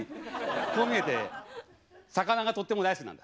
こう見えて魚がとっても大好きなんだ。